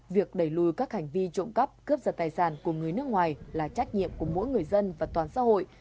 việc đẩy lùi các hành vi trộm cắp cướp giật tài sản của người nước ngoài là trách nhiệm của mỗi người dân và toàn xã hội